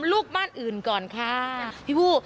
สถานการณ์ปัจจุบันทำให้หนูยิ่งยันคำตอบในใจหนูก็จะไม่มี